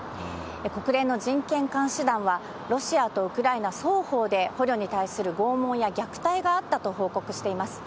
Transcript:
国連の人権監視団はロシアとウクライナ双方で、捕虜に対する拷問や虐待があったと報告しています。